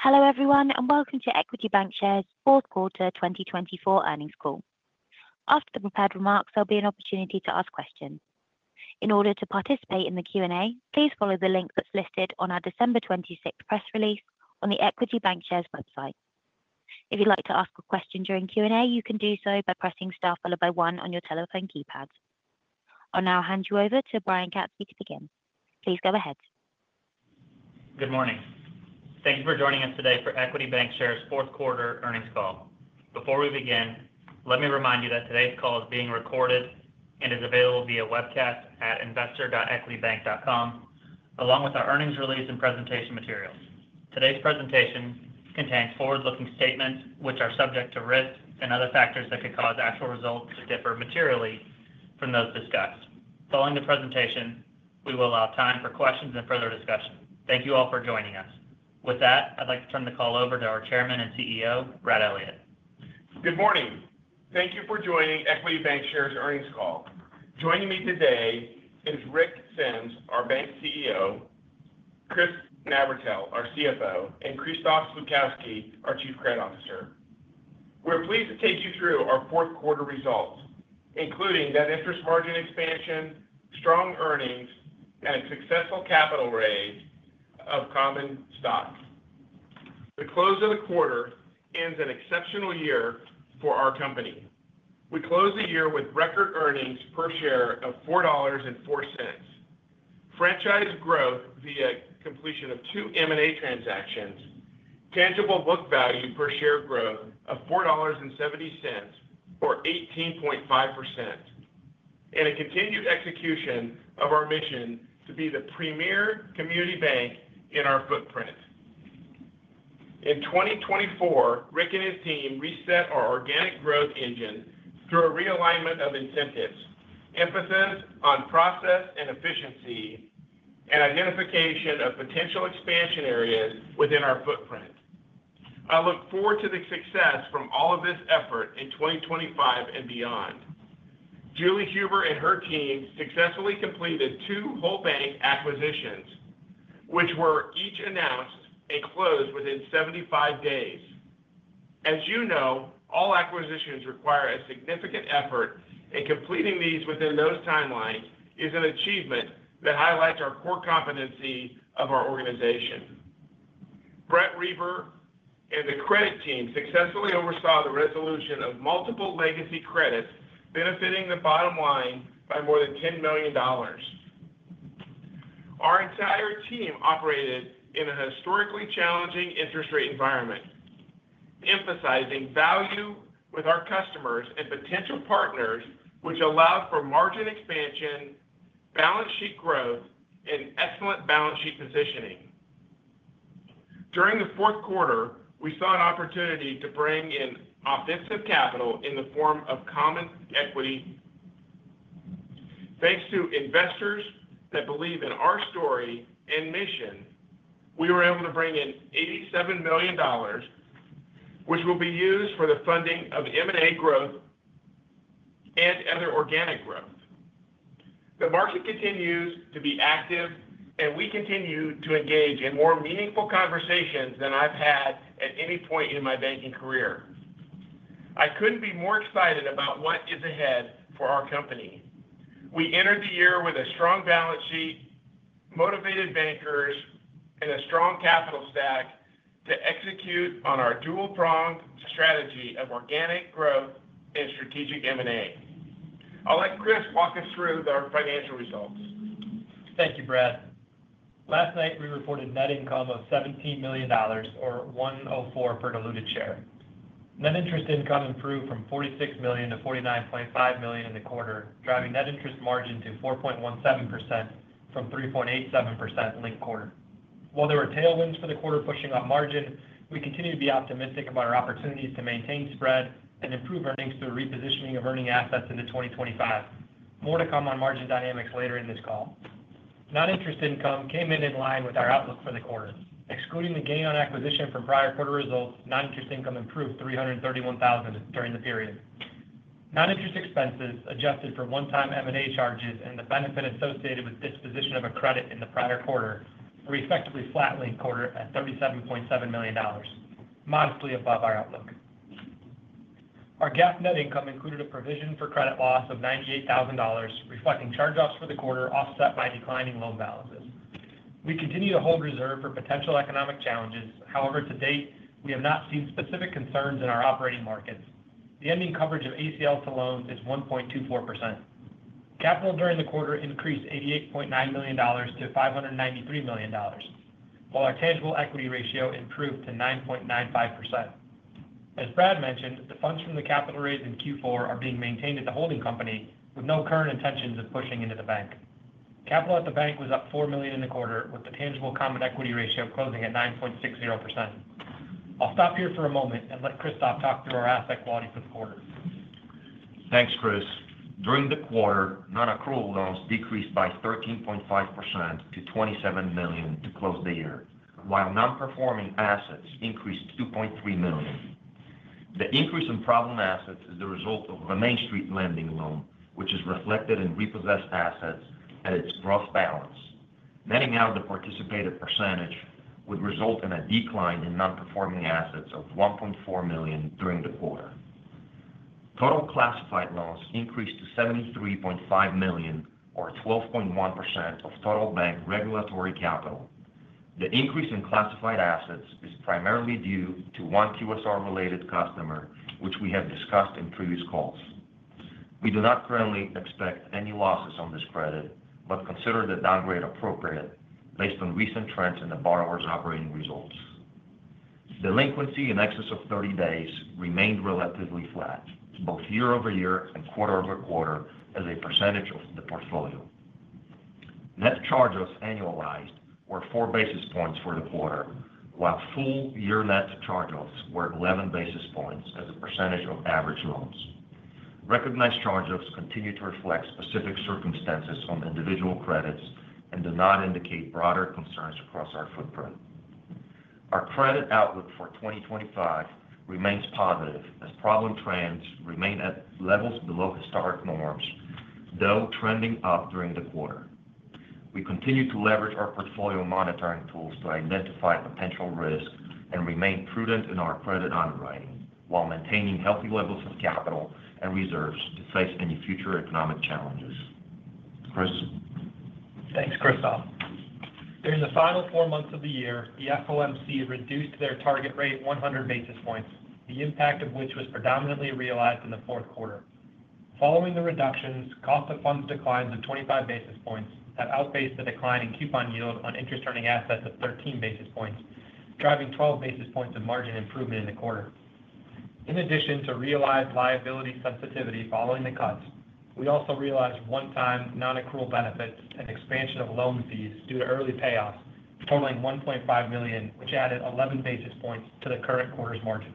Hello everyone, and welcome to Equity Bancshares' fourth quarter 2024 earnings call. After the prepared remarks, there'll be an opportunity to ask questions. In order to participate in the Q&A, please follow the link that's listed on our December 26th press release on the Equity Bancshares website. If you'd like to ask a question during Q&A, you can do so by pressing star followed by one on your telephone keypad. I'll now hand you over to Brian Katzfey to begin. Please go ahead. Good morning. Thank you for joining us today for Equity Bancshares' fourth quarter earnings call. Before we begin, let me remind you that today's call is being recorded and is available via webcast at investor.equitybank.com, along with our earnings release and presentation materials. Today's presentation contains forward-looking statements, which are subject to risk and other factors that could cause actual results to differ materially from those discussed. Following the presentation, we will allow time for questions and further discussion. Thank you all for joining us. With that, I'd like to turn the call over to our Chairman and CEO, Brad Elliott. Good morning. Thank you for joining Equity Bancshares' earnings call. Joining me today is Rick Sems, our bank CEO, Chris Navratil, our CFO, and Krzysztof Slupkowski, our Chief Credit Officer. We're pleased to take you through our fourth quarter results, including that interest margin expansion, strong earnings, and a successful capital raise of common stock. The close of the quarter ends an exceptional year for our company. We closed the year with record earnings per share of $4.04, franchise growth via completion of two M&A transactions, tangible book value per share growth of $4.70, or 18.5%, and a continued execution of our mission to be the premier community bank in our footprint. In 2024, Rick and his team reset our organic growth engine through a realignment of incentives, emphasis on process and efficiency, and identification of potential expansion areas within our footprint. I look forward to the success from all of this effort in 2025 and beyond. Julie Huber and her team successfully completed two whole bank acquisitions, which were each announced and closed within 75 days. As you know, all acquisitions require a significant effort, and completing these within those timelines is an achievement that highlights our core competency of our organization. Brett Reber and the credit team successfully oversaw the resolution of multiple legacy credits benefiting the bottom line by more than $10 million. Our entire team operated in a historically challenging interest rate environment, emphasizing value with our customers and potential partners, which allowed for margin expansion, balance sheet growth, and excellent balance sheet positioning. During the fourth quarter, we saw an opportunity to bring in offensive capital in the form of Common Equity. Thanks to investors that believe in our story and mission, we were able to bring in $87 million, which will be used for the funding of M&A growth and other organic growth. The market continues to be active, and we continue to engage in more meaningful conversations than I've had at any point in my banking career. I couldn't be more excited about what is ahead for our company. We entered the year with a strong balance sheet, motivated bankers, and a strong capital stack to execute on our dual-pronged strategy of organic growth and strategic M&A. I'll let Chris walk us through our financial results. Thank you, Brad. Last night, we reported net income of $17 million, or $1.04 per diluted share. Net interest income improved from $46 million to $49.5 million in the quarter, driving net interest margin to 4.17% from 3.87% in the quarter. While there were tailwinds for the quarter pushing up margin, we continue to be optimistic about our opportunities to maintain spread and improve earnings through repositioning of earning assets into 2025. More to come on margin dynamics later in this call. Non-interest income came in line with our outlook for the quarter. Excluding the gain on acquisition from prior quarter results, non-interest income improved $331,000 during the period. Non-interest expenses adjusted for one-time M&A charges and the benefit associated with disposition of a credit in the prior quarter were effectively flat in the quarter at $37.7 million, modestly above our outlook. Our GAAP net income included a provision for credit losses of $98,000, reflecting charge-offs for the quarter offset by declining loan balances. We continue to hold reserves for potential economic challenges. However, to date, we have not seen specific concerns in our operating markets. The ending coverage of ACL to loans is 1.24%. Capital during the quarter increased $88.9 million to $593 million, while our tangible equity ratio improved to 9.95%. As Brad mentioned, the funds from the capital raised in Q4 are being maintained at the holding company with no current intentions of pushing into the bank. Capital at the bank was up $4 million in the quarter, with the tangible common equity ratio closing at 9.60%. I'll stop here for a moment and let Krzysztof talk through our asset quality for the quarter. Thanks, Chris. During the quarter, non-accrual loans decreased by 13.5% to $27 million to close the year, while non-performing assets increased $2.3 million. The increase in problem assets is the result of a Main Street lending loan, which is reflected in repossessed assets at its gross balance. Letting out the participated percentage would result in a decline in non-performing assets of $1.4 million during the quarter. Total classified loans increased to $73.5 million, or 12.1% of total bank regulatory capital. The increase in classified assets is primarily due to one QSR-related customer, which we have discussed in previous calls. We do not currently expect any losses on this credit, but consider the downgrade appropriate based on recent trends in the borrower's operating results. Delinquency in excess of 30 days remained relatively flat, both year-over-year and quarter-over-quarter, as a percentage of the portfolio. Net charge-offs annualized were four basis points for the quarter, while full-year net charge-offs were 11 basis points as a percentage of average loans. Recognized charge-offs continue to reflect specific circumstances on individual credits and do not indicate broader concerns across our footprint. Our credit outlook for 2025 remains positive as problem trends remain at levels below historic norms, though trending up during the quarter. We continue to leverage our portfolio monitoring tools to identify potential risk and remain prudent in our credit underwriting, while maintaining healthy levels of capital and reserves to face any future economic challenges. Chris. Thanks, Krzysztof. During the final four months of the year, the FOMC reduced their target rate 100 basis points, the impact of which was predominantly realized in the fourth quarter. Following the reductions, cost of funds declines of 25 basis points have outpaced the decline in coupon yield on interest-earning assets of 13 basis points, driving 12 basis points of margin improvement in the quarter. In addition to realized liability sensitivity following the cuts, we also realized one-time non-accrual benefits and expansion of loan fees due to early payoffs, totaling $1.5 million, which added 11 basis points to the current quarter's margin.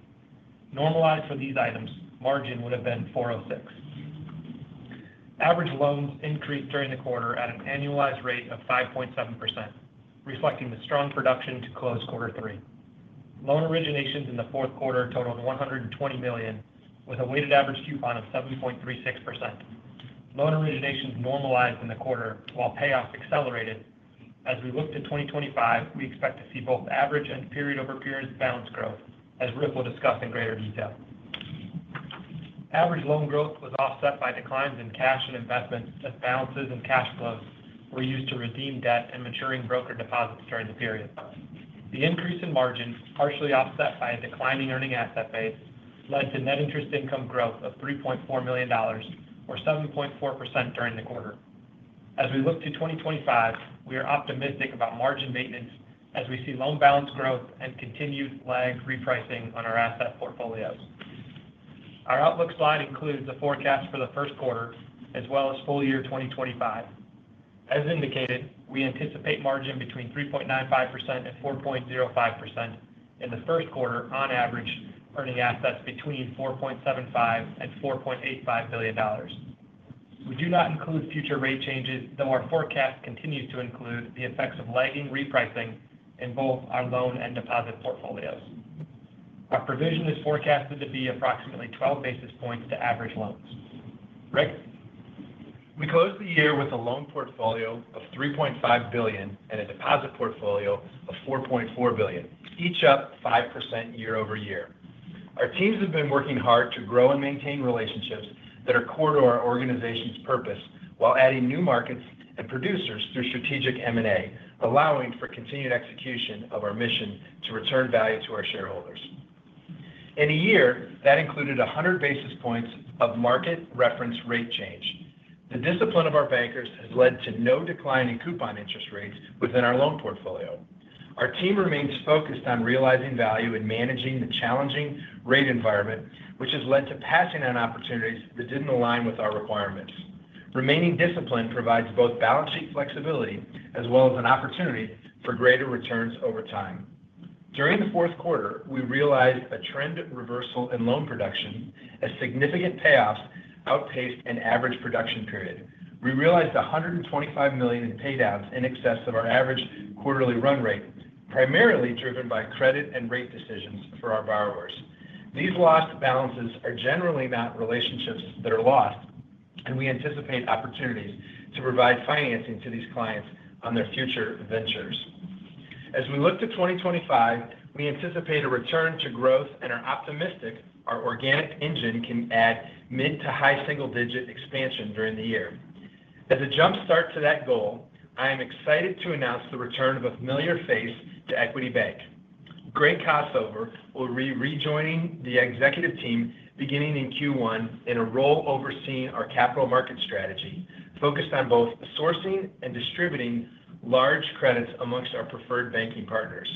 Normalized for these items, margin would have been 4.06% Average loans increased during the quarter at an annualized rate of 5.7%, reflecting the strong production to close quarter three. Loan originations in the fourth quarter totaled $120 million, with a weighted average coupon of 7.36%. Loan originations normalized in the quarter, while payoffs accelerated. As we look to 2025, we expect to see both average and period-over-period balance growth, as Rick will discuss in greater detail. Average loan growth was offset by declines in cash and investment as balances and cash flows were used to redeem debt and maturing broker deposits during the period. The increase in margin, partially offset by a declining earning asset base, led to net interest income growth of $3.4 million, or 7.4% during the quarter. As we look to 2025, we are optimistic about margin maintenance as we see loan balance growth and continued lag repricing on our asset portfolios. Our outlook slide includes the forecast for the first quarter as well as full year 2025. As indicated, we anticipate margin between 3.95% and 4.05% in the first quarter, on average earning assets between $4.75 and $4.85 billion. We do not include future rate changes, though our forecast continues to include the effects of lagging repricing in both our loan and deposit portfolios. Our provision is forecasted to be approximately 12 basis points to average loans. Rick? We closed the year with a loan portfolio of $3.5 billion and a deposit portfolio of $4.4 billion, each up 5% year-over-year. Our teams have been working hard to grow and maintain relationships that are core to our organization's purpose while adding new markets and producers through strategic M&A, allowing for continued execution of our mission to return value to our shareholders. In a year, that included 100 basis points of market reference rate change. The discipline of our bankers has led to no decline in coupon interest rates within our loan portfolio. Our team remains focused on realizing value and managing the challenging rate environment, which has led to passing on opportunities that didn't align with our requirements. Remaining disciplined provides both balance sheet flexibility as well as an opportunity for greater returns over time. During the fourth quarter, we realized a trend reversal in loan production, as significant payoffs outpaced an average production period. We realized $125 million in paydowns in excess of our average quarterly run rate, primarily driven by credit and rate decisions for our borrowers. These lost balances are generally not relationships that are lost, and we anticipate opportunities to provide financing to these clients on their future ventures. As we look to 2025, we anticipate a return to growth and are optimistic our organic engine can add mid to high single-digit expansion during the year. As a jumpstart to that goal, I am excited to announce the return of a familiar face to Equity Bank. Greg Kossover will be rejoining the executive team beginning in Q1 in a role overseeing our capital market strategy, focused on both sourcing and distributing large credits amongst our preferred banking partners.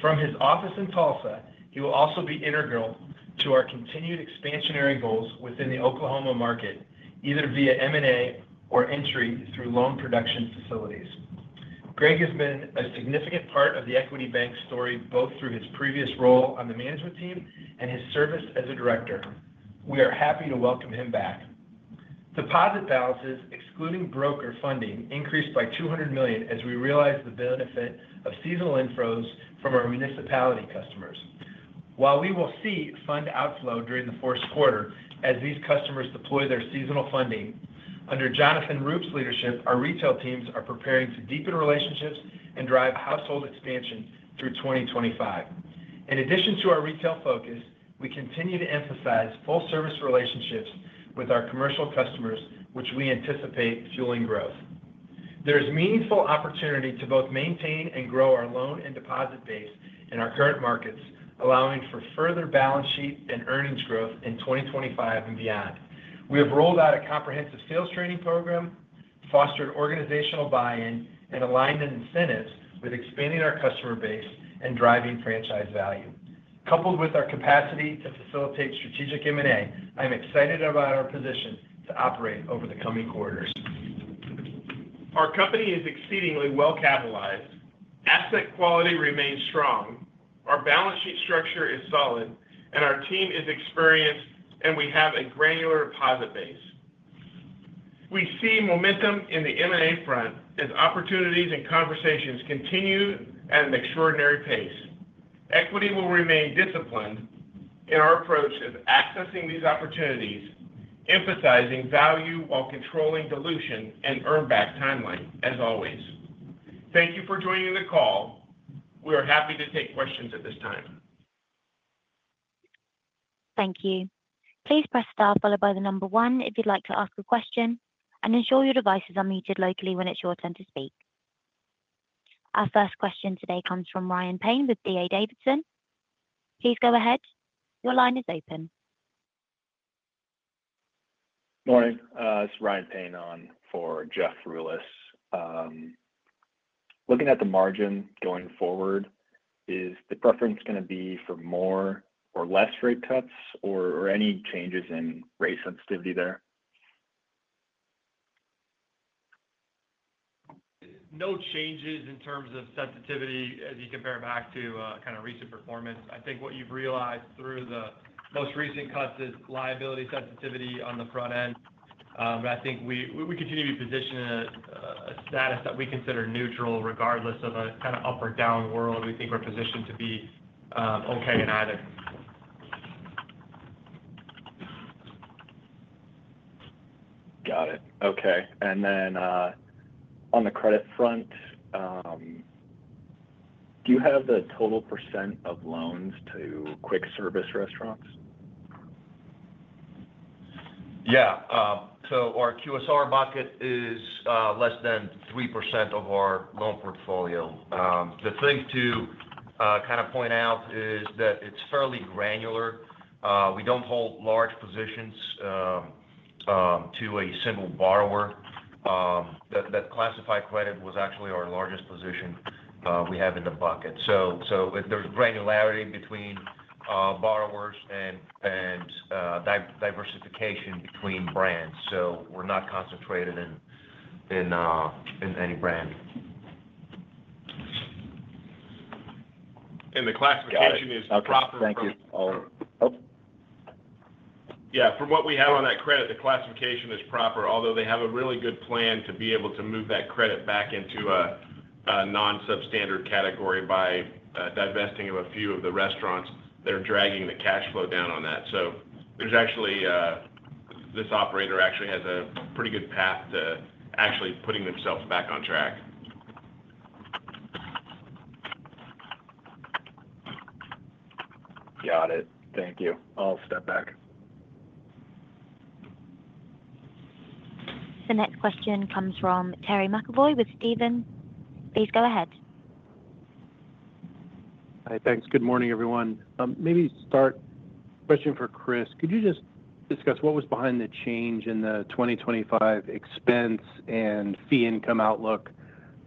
From his office in Tulsa, he will also be integral to our continued expansionary goals within the Oklahoma market, either via M&A or entry through loan production facilities. Greg has been a significant part of the Equity Bank story both through his previous role on the management team and his service as a director. We are happy to welcome him back. Deposit balances, excluding broker funding, increased by $200 million as we realized the benefit of seasonal inflows from our municipal customers. While we will see fund outflow during the fourth quarter as these customers deploy their seasonal funding, under Jonathan Roope's leadership, our retail teams are preparing to deepen relationships and drive household expansion through 2025. In addition to our retail focus, we continue to emphasize full-service relationships with our commercial customers, which we anticipate fueling growth. There is meaningful opportunity to both maintain and grow our loan and deposit base in our current markets, allowing for further balance sheet and earnings growth in 2025 and beyond. We have rolled out a comprehensive sales training program, fostered organizational buy-in, and aligned incentives with expanding our customer base and driving franchise value. Coupled with our capacity to facilitate strategic M&A, I'm excited about our position to operate over the coming quarters. Our company is exceedingly well-capitalized. Asset quality remains strong. Our balance sheet structure is solid, and our team is experienced, and we have a granular deposit base. We see momentum in the M&A front as opportunities and conversations continue at an extraordinary pace. Equity will remain disciplined in our approach of accessing these opportunities, emphasizing value while controlling dilution and earn-back timeline, as always. Thank you for joining the call. We are happy to take questions at this time. Thank you. Please press star followed by the number one if you'd like to ask a question, and ensure your devices are muted locally when it's your turn to speak. Our first question today comes from Ryan Payne with D.A. Davidson. Please go ahead. Your line is open. Morning. This is Ryan Payne on for Jeff Rulis. Looking at the margin going forward, is the preference going to be for more or less rate cuts or any changes in rate sensitivity there? No changes in terms of sensitivity as you compare back to kind of recent performance. I think what you've realized through the most recent cuts is liability sensitivity on the front end. But I think we continue to be positioned in a status that we consider neutral regardless of a kind of up or down world. We think we're positioned to be okay in either. Got it. Okay, and then on the credit front, do you have the total percent of loans to quick-service restaurants? Yeah. So our QSR bucket is less than 3% of our loan portfolio. The thing to kind of point out is that it's fairly granular. We don't hold large positions to a single borrower. That classified credit was actually our largest position we have in the bucket. So there's granularity between borrowers and diversification between brands. So we're not concentrated in any brand. The classification is proper. Thank you. Oh. Yeah. From what we have on that credit, the classification is proper, although they have a really good plan to be able to move that credit back into a non-substandard category by divesting of a few of the restaurants. They're dragging the cash flow down on that. So this operator actually has a pretty good path to actually putting themselves back on track. Got it. Thank you. I'll step back. The next question comes from Terry McEvoy with Stephens. Please go ahead. Hi. Thanks. Good morning, everyone. Maybe start question for Chris. Could you just discuss what was behind the change in the 2025 expense and fee income outlook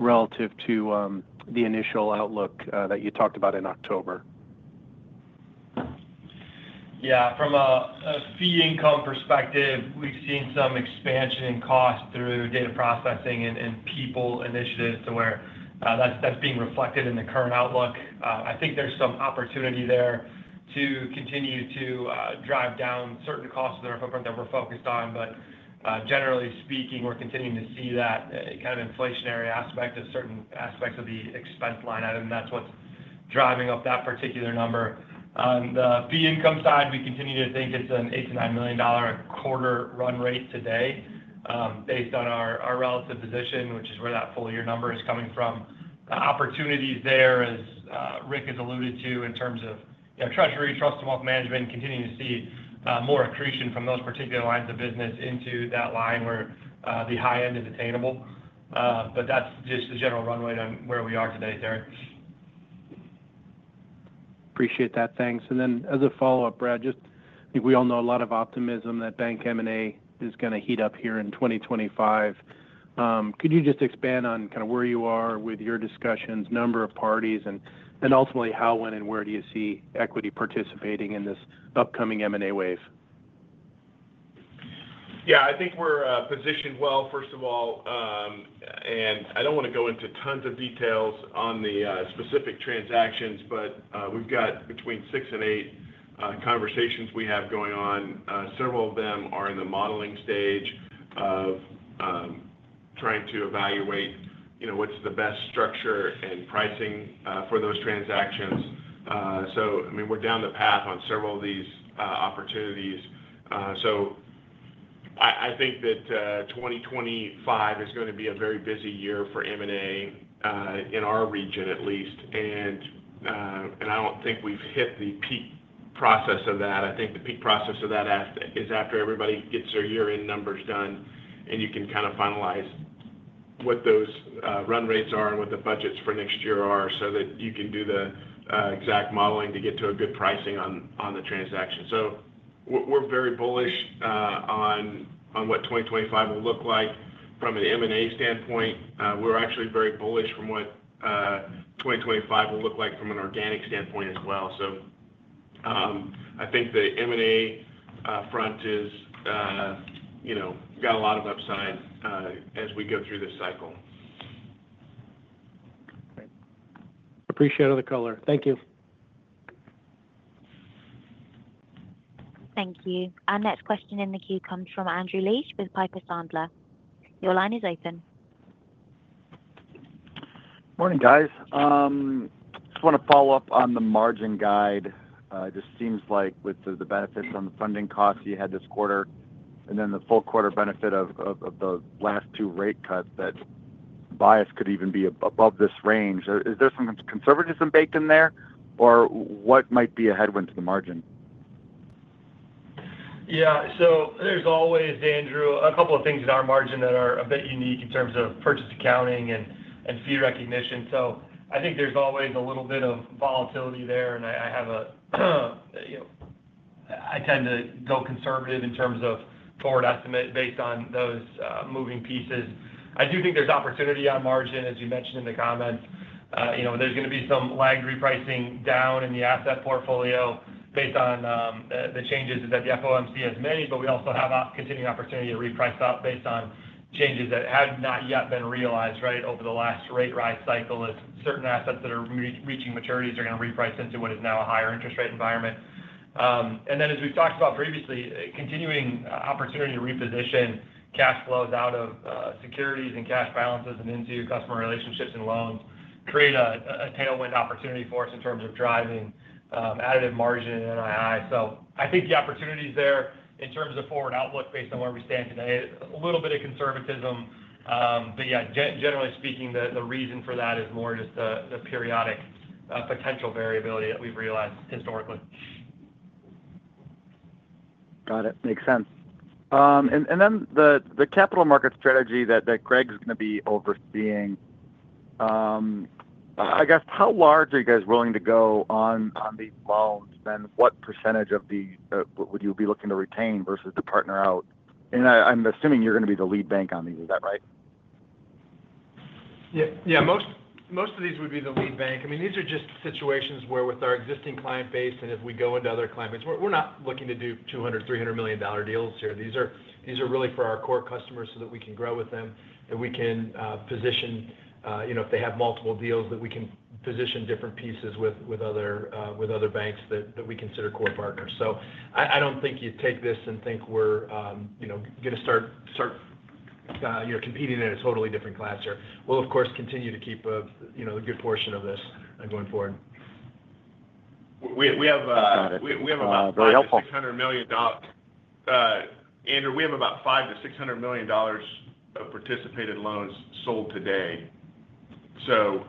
relative to the initial outlook that you talked about in October? Yeah. From a fee income perspective, we've seen some expansion in cost through data processing and people initiatives to where that's being reflected in the current outlook. I think there's some opportunity there to continue to drive down certain costs on our footprint that we're focused on. But generally speaking, we're continuing to see that kind of inflationary aspect of certain aspects of the expense line item. That's what's driving up that particular number. On the fee income side, we continue to think it's an $8-$9 million quarter run rate today based on our relative position, which is where that full year number is coming from. The opportunities there, as Rick has alluded to, in terms of treasury, trust, and wealth management, continue to see more accretion from those particular lines of business into that line where the high end is attainable. But that's just the general runway to where we are today, Terry. Appreciate that. Thanks. And then as a follow-up, Brad, just I think we all know a lot of optimism that bank M&A is going to heat up here in 2025. Could you just expand on kind of where you are with your discussions, number of parties, and ultimately how, when, and where do you see Equity participating in this upcoming M&A wave? Yeah. I think we're positioned well, first of all. And I don't want to go into tons of details on the specific transactions, but we've got between six and eight conversations we have going on. Several of them are in the modeling stage of trying to evaluate what's the best structure and pricing for those transactions. So I mean, we're down the path on several of these opportunities. So I think that 2025 is going to be a very busy year for M&A in our region, at least. And I don't think we've hit the peak process of that. I think the peak process of that is after everybody gets their year-end numbers done, and you can kind of finalize what those run rates are and what the budgets for next year are so that you can do the exact modeling to get to a good pricing on the transaction. So we're very bullish on what 2025 will look like from an M&A standpoint. We're actually very bullish from what 2025 will look like from an organic standpoint as well. So I think the M&A front has got a lot of upside as we go through this cycle. Great. Appreciate all the color. Thank you. Thank you. Our next question in the queue comes from Andrew Liesch with Piper Sandler. Your line is open. Morning, guys. Just want to follow up on the margin guide. It just seems like with the benefits on the funding costs you had this quarter and then the full quarter benefit of the last two rate cuts that bias could even be above this range. Is there some conservatism baked in there, or what might be a headwind to the margin? Yeah, so there's always, Andrew, a couple of things in our margin that are a bit unique in terms of purchase accounting and fee recognition, so I think there's always a little bit of volatility there, and I tend to go conservative in terms of forward estimate based on those moving pieces. I do think there's opportunity on margin, as you mentioned in the comments. There's going to be some lagged repricing down in the asset portfolio based on the changes that the FOMC has made, but we also have continuing opportunity to reprice up based on changes that have not yet been realized, right, over the last rate rise cycle as certain assets that are reaching maturities are going to reprice into what is now a higher interest rate environment. And then, as we've talked about previously, continuing opportunity to reposition cash flows out of securities and cash balances and into customer relationships and loans create a tailwind opportunity for us in terms of driving additive margin and NII. So I think the opportunity is there in terms of forward outlook based on where we stand today. A little bit of conservatism. But yeah, generally speaking, the reason for that is more just the periodic potential variability that we've realized historically. Got it. Makes sense. And then the capital market strategy that Greg's going to be overseeing, I guess, how large are you guys willing to go on these loans? Then what percentage of the loan would you be looking to retain versus to partner out? And I'm assuming you're going to be the lead bank on these. Is that right? Yeah. Most of these would be the lead bank. I mean, these are just situations where with our existing client base and if we go into other client bases, we're not looking to do $200 million-$300 million deals here. These are really for our core customers so that we can grow with them and we can position if they have multiple deals that we can position different pieces with other banks that we consider core partners. So I don't think you'd take this and think we're going to start competing in a totally different class here. We'll, of course, continue to keep a good portion of this going forward. We have about $5 million-$600 million, Andrew. We have about $5 million-$600 million of participated loans sold today. So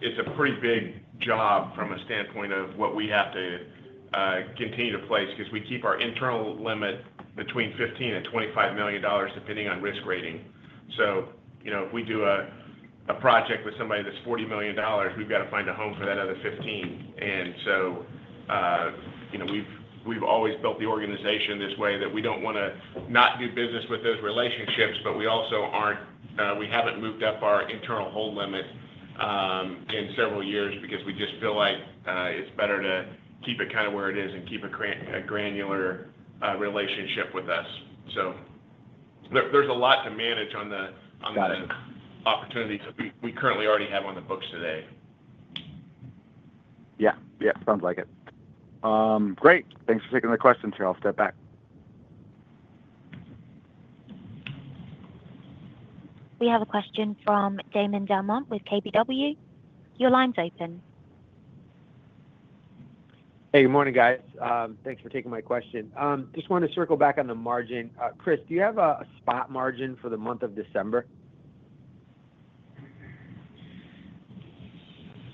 it's a pretty big job from a standpoint of what we have to continue to place because we keep our internal limit between $15 and $25 million depending on risk rating. So if we do a project with somebody that's $40 million, we've got to find a home for that other $15. And so we've always built the organization this way that we don't want to not do business with those relationships, but we also haven't moved up our internal hold limit in several years because we just feel like it's better to keep it kind of where it is and keep a granular relationship with us. So there's a lot to manage on the opportunity that we currently already have on the books today. Yeah. Yeah. Sounds like it. Great. Thanks for taking the questions here. I'll step back. We have a question from Damon DelMonte with KBW. Your line's open. Hey. Good morning, guys. Thanks for taking my question. Just wanted to circle back on the margin. Chris, do you have a spot margin for the month of December?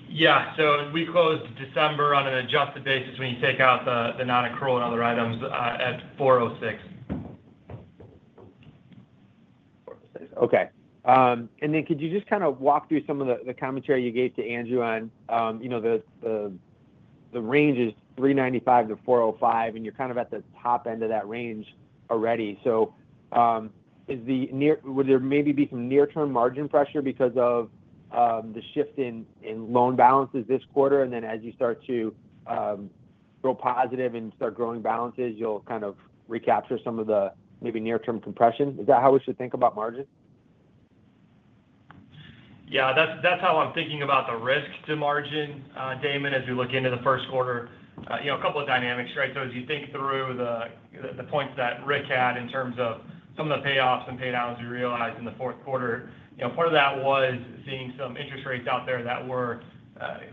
Yeah, so we closed December on an adjusted basis when you take out the non-accrual and other items at 406. Okay, and then could you just kind of walk through some of the commentary you gave to Andrew on the range is $395-$405, and you're kind of at the top end of that range already, so would there maybe be some near-term margin pressure because of the shift in loan balances this quarter, and then as you start to grow positive and start growing balances, you'll kind of recapture some of the maybe near-term compression. Is that how we should think about margin? Yeah. That's how I'm thinking about the risk to margin, Damon, as we look into the first quarter. A couple of dynamics, right? So as you think through the points that Rick had in terms of some of the payoffs and paydowns we realized in the fourth quarter, part of that was seeing some interest rates out there that were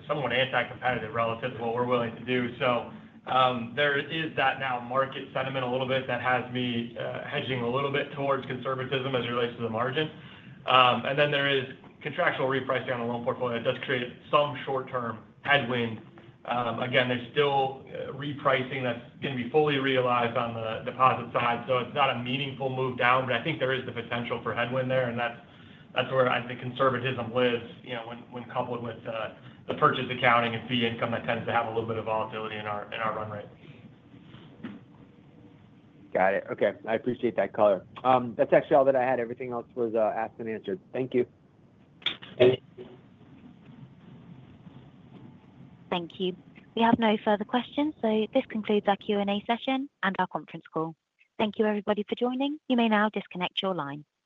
somewhat anti-competitive relative to what we're willing to do. So there is that now market sentiment a little bit that has me hedging a little bit towards conservatism as it relates to the margin. And then there is contractual repricing on the loan portfolio that does create some short-term headwind. Again, there's still repricing that's going to be fully realized on the deposit side. So it's not a meaningful move down, but I think there is the potential for headwind there. That's where I think conservatism lives when coupled with the purchase accounting and fee income that tends to have a little bit of volatility in our run rate. Got it. Okay. I appreciate that color. That's actually all that I had. Everything else was asked and answered. Thank you. Thank you. We have no further questions. So this concludes our Q&A session and our conference call. Thank you, everybody, for joining. You may now disconnect your line.